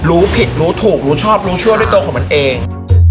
รู้ผิดรู้ถูกรู้ชอบรู้ชั่วด้วยตัวของมันเอง